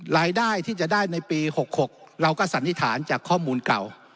รายได้ที่จะได้ในปี๖๖เราก็สันนิษฐานจากข้อมูลเก่า